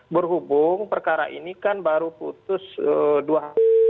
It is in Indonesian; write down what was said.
berhubung perkara ini kan baru putus dua hari